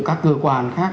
các cơ quan khác